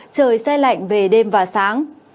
trời xe lạnh về đêm và sáng